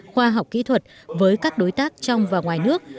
khoa học kỹ thuật với các đối tác trong và ngoài nước